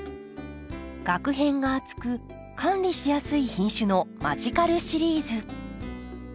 がく片が厚く管理しやすい品種のマジカルシリーズ。